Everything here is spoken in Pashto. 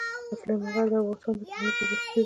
سلیمان غر د افغانستان د ټولنې لپاره بنسټيز رول لري.